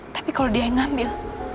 tapi kalau dia yang ngambil